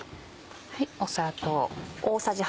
砂糖。